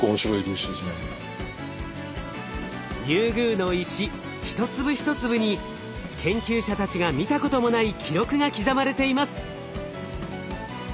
リュウグウの石一粒一粒に研究者たちが見たこともない記録が刻まれています。